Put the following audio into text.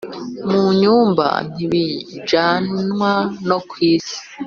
mu nyumba ntibijanwa no kwisi